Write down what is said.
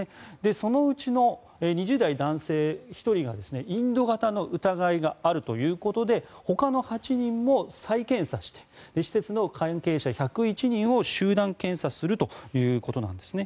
そのうちの２０代男性１人がインド型の疑いがあるということでほかの８人も再検査して施設の関係者１０１人を集団検査するということなんですね。